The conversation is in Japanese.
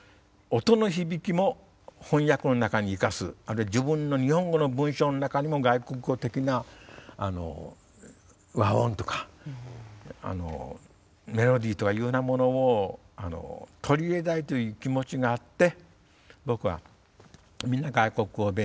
あるいは自分の日本語の文章の中にも外国語的な和音とかメロディーとかいうようなものを取り入れたいという気持ちがあって僕はみんな外国語を勉強したんじゃないかと思うんですね。